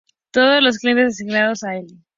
Todos los dientes asignados a "L.?